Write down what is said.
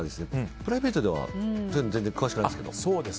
プライベートでは全然、詳しくないですが。